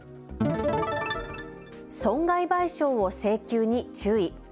損害賠償を請求に注意。